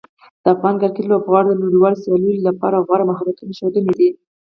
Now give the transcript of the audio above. د افغان کرکټ لوبغاړو د نړیوالو سیالیو لپاره غوره مهارتونه ښودلي دي.